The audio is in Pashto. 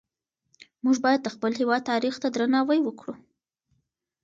موږ باید د خپل هېواد تاریخ ته درناوی وکړو.